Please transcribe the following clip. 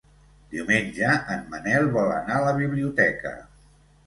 Diumenge en Manel vol anar a la biblioteca.